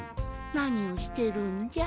なにをしてるんじゃ？